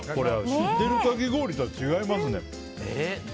知ってるかき氷とは違いますね。